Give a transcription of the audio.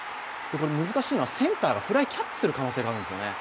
難しいのはセンターがフライをキャッチする可能性があるんですよね。